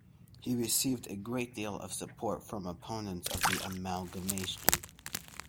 He received a great deal of support from opponents of the amalgamation.